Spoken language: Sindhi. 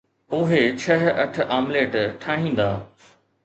اهي ڇهه اٺ آمليٽ ٺاهيندا